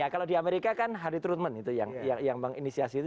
kalau di amerika kan hari turunmen yang menginisiasi itu